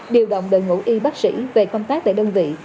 điều động đội ngũ y bác sĩ về công tác tại đơn vị